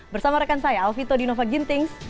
bersama rekan saya alvi todinova gintings